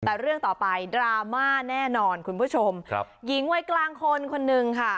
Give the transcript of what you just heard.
แต่เรื่องต่อไปดราม่าแน่นอนคุณผู้ชมครับหญิงวัยกลางคนคนหนึ่งค่ะ